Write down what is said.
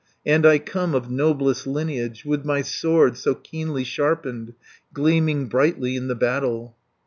And I come of noblest lineage, With my sword so keenly sharpened Gleaming brightly in the battle."